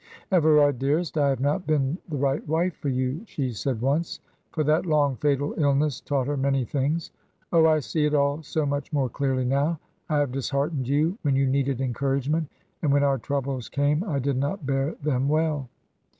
"Everard, dearest, I have not been the right wife for you," she said once; for that long, fatal illness taught her many things. "Oh, I see it all so much more clearly now. I have disheartened you when you needed encouragement, and when our troubles came I did not bear them well."